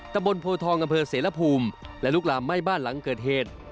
ตะบนโพทองอำเภอเสรภูมิและลุกลามไหม้บ้านหลังเกิดเหตุ